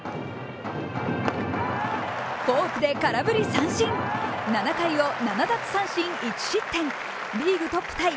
フォークで空振り三振、７回を７奪三振１失点リーグトップタイ